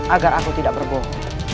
agar aku tidak berbohong